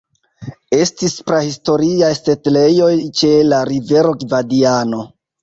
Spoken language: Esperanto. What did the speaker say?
Estis prahistoriaj setlejoj ĉe la rivero Gvadiano.